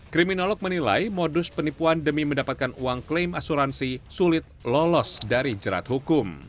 kriminolog menilai modus penipuan demi mendapatkan uang klaim asuransi sulit lolos dari jerat hukum